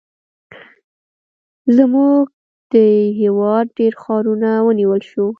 زموږ د هېواد ډېر ښارونه ونیول شول.